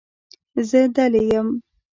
زه دلې یم.